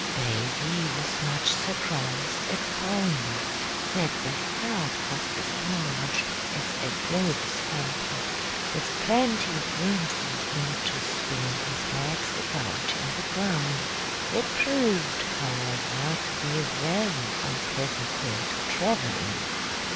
Davy was much surprised at finding that the hat was as large as a clothes hamper, with plenty of room for him to swing his legs about in the crown. It proved, however, to be a very unpleasant thing to travel in.